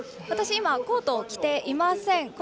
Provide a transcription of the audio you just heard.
私、今、コートを着ていません。